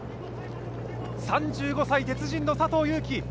３５歳鉄人の佐藤悠基。